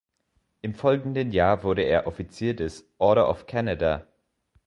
Im folgenden Jahr wurde er Offizier des Order of Canada.